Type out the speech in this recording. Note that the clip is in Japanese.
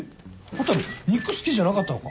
蛍肉好きじゃなかったのか？